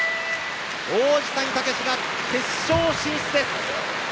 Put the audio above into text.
王子谷剛志が決勝進出です。